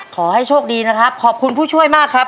ขอให้โชคดีนะครับขอบคุณผู้ช่วยมากครับ